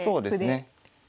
そうですね。